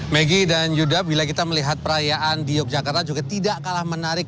megi dan yuda bila kita melihat perayaan di yogyakarta juga tidak kalah menarik